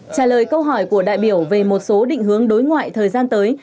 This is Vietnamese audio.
trả lời câu hỏi của đại biểu về một số định hướng đối ngoại thời gian tới